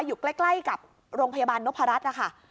อยู่ใกล้กับโรงพยาบาลนพรัชนะคะ